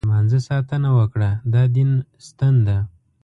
د لمانځه ساتنه وکړه، دا دین ستن ده.